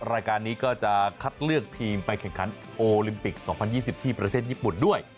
รายการนี้ก็จะคัดเลือกทีมไปแข่งขันโอลิมปิก๒๐๒๐ที่ประเทศญี่ปุ่นด้วย